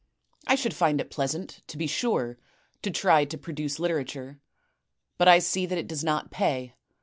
I should find it pleasant, to be sure, to try to produce literature; but I see that it does not pay.